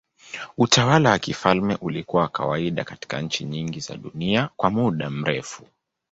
Utawala wa kifalme ulikuwa wa kawaida katika nchi nyingi za dunia kwa muda mrefu.